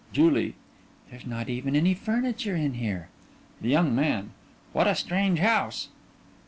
JULIE: There's not even any furniture in here. THE YOUNG MAN: What a strange house!